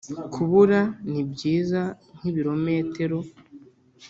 kubura nibyiza nkibirometero.